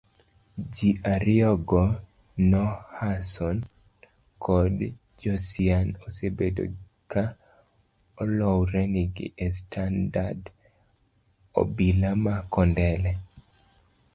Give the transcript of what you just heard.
ji ariyogo nahason kod josiah osebedo ka olornegi estesend obila ma kondele